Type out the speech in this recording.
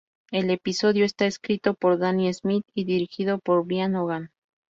El episodio está escrito por Danny Smith y dirigido por Brian Hogan.